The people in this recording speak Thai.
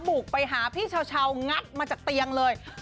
บุกไปหาพี่เช้างัดมาจากเตียงเลย